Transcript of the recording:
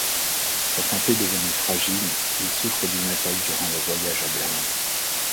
Sa santé devenue fragile, il souffre d'une attaque durant le voyage à Berlin.